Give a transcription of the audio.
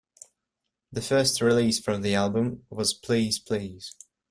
The first release from the album was "Please Please".